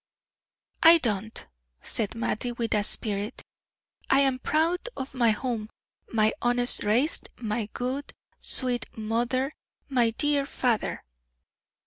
"I don't," said Mattie, with spirit. "I'm proud of my home, my honest race, my good, sweet mother, my dear father."